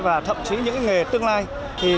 và thậm chí những nghề tương lai